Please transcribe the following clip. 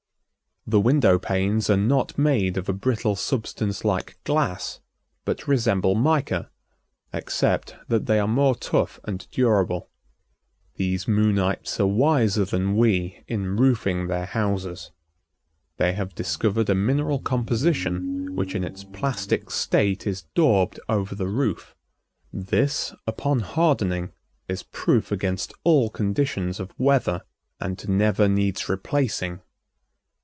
The window panes are not made of a brittle substance like glass, but resemble mica, except that they are more tough and durable. These Moonites are wiser than we in roofing their houses. They have discovered a mineral composition which in its plastic state is daubed over the roof. This, upon hardening, is proof against all conditions of weather and never needs replacing.